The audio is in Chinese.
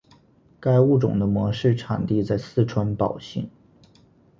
该物种的模式产地在四川宝兴。